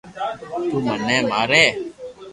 تو مني ماري